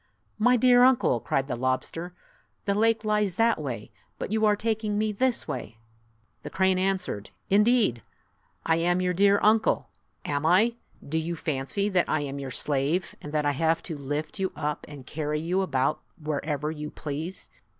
" My dear uncle!" cried the lobster, "the lake lies that way, but you are taking me this way." The crane answered, "Indeed! I am your dear uncle ! Am I ? Do you fancy that I am your slave, and that I have to lift you up and carry you about wherever you please?